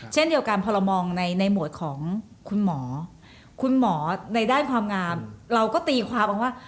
เช่นเดียวกันพอเรามองในหมวดของคุณหมอคุณหมอในด้านความงามเราก็ตีความเอาว่า